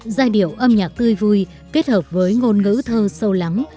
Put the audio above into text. giai điệu âm nhạc tươi vui kết hợp với ngôn ngữ thơ sâu lắng